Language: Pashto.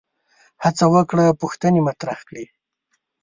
هڅه وکړه پوښتنې مطرح کړي